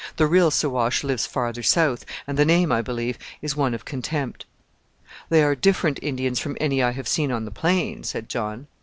The real Siwash lives farther south, and the name, I believe, is one of contempt." "They are different Indians from any I have seen on the plains," said John.